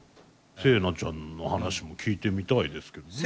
セイナちゃんの話も聞いてみたいですけどね。